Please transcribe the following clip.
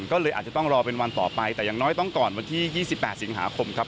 ก็เลยอาจจะต้องรอเป็นวันต่อไปแต่อย่างน้อยต้องก่อนวันที่๒๘สิงหาคมครับ